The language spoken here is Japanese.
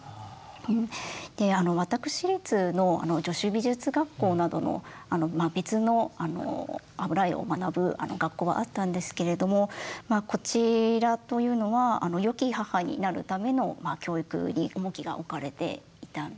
私立の女子美術学校などの別の油絵を学ぶ学校はあったんですけれどもこちらというのは良き母になるための教育に重きが置かれていたんですね。